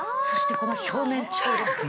そして、この表面張力。